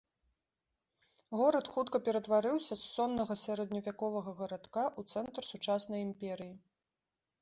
Горад хутка ператварыўся з соннага сярэдневяковага гарадка ў цэнтр сучаснай імперыі.